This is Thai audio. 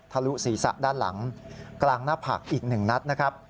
ลุศีรษะด้านหลังกลางหน้าผากอีก๑นัดนะครับ